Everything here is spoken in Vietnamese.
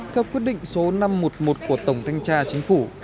theo quyết định số năm trăm một mươi một của tổng thanh tra chính phủ